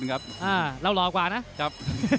กล้าวหลอกว่านะครับ